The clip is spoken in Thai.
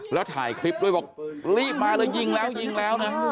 แล้วถ่ายคลิปด้วยบอกรีบมาเลยยิงแล้วนะ